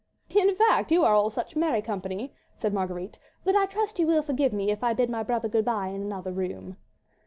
"In fact you are all such merry company," said Marguerite, "that I trust you will forgive me if I bid my brother good bye in another room."